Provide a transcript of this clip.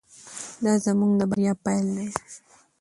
دا زموږ د بریا پیل دی.